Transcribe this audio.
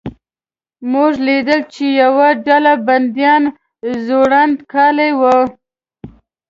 موږ لیدل چې یوه ډله بندیان زوړند کالي ول.